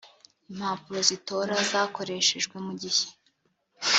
impapuro z’itora zakoreshejwe mu gihe